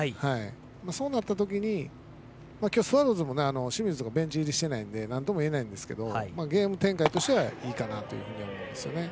そうなったときにきょうスワローズも清水がベンチ入りしていないのでなんとも言えないんですけれどもゲーム展開としてはいいかなと思うんですよね。